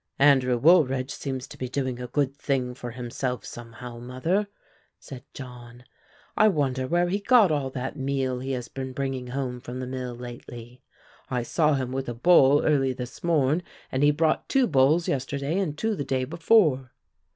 "Andrew Woolridge seems to be doing a good thing for himself somehow, mother," said John. "I wonder where he got all that meal he has been bringing home from the mill lately; I saw him with a boll early this morn and he brought two bolls yesterday and two the day before."